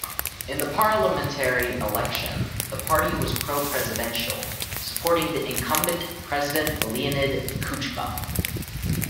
In the parliamentary election, the party was pro-presidential, supporting the incumbent President Leonid Kuchma.